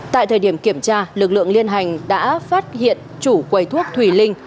tại thời điểm kiểm tra lực lượng liên hành đã phát hiện chủ quầy thuốc thùy linh